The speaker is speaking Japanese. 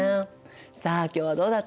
さあ今日はどうだった？